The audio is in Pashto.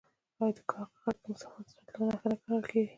آیا د کارغه غږ د مسافر د راتلو نښه نه ګڼل کیږي؟